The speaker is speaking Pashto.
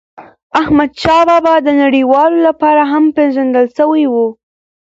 احمدشاه بابا د نړیوالو لپاره هم پېژندل سوی و.